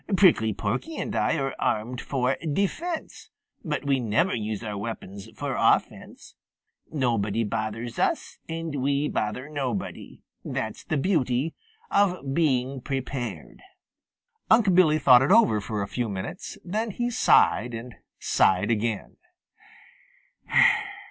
Prickly Porky and I are armed for defence, but we never use our weapons for offence. Nobody bothers us, and we bother nobody. That's the beauty of being prepared." Unc' Billy thought it over for a few minutes. Then he sighed and sighed again.